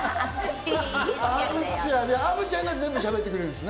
アヴちゃんが全部しゃべってくれるんですね？